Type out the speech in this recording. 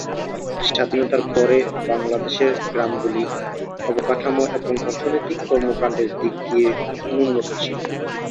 স্বাধীনতার পরে বাংলাদেশের গ্রামগুলি, অবকাঠামো এবং অর্থনৈতিক কর্মকাণ্ডের দিক দিয়ে অনুন্নত ছিল।